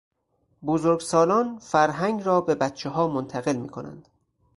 بزرگسالان فرهنگ را به بچهها منتقل میکنند.